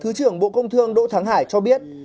thứ trưởng bộ công thương đỗ thắng hải cho biết